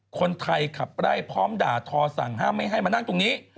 คนไทยขับไล่พร้อมด่าทอสั่งห้ามไม่ให้มานั่งตรงนี้